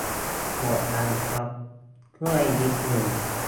หมดยังครับ ช่วยนิดนึง